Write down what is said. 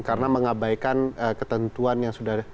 karena mengabaikan ketentuan yang sudah